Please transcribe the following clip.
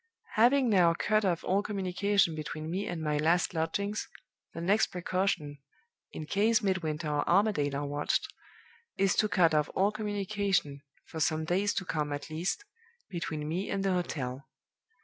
"Having now cut off all communication between me and my last lodgings, the next precaution (in case Midwinter or Armadale are watched) is to cut off all communication, for some days to come at least, between me and the hotel.